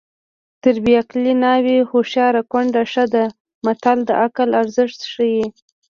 تر بې عقلې ناوې هوښیاره کونډه ښه ده متل د عقل ارزښت ښيي